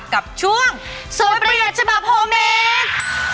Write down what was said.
กับช่วงโซเวอร์ปรริยัตท์ฉบับโฮลเม็ด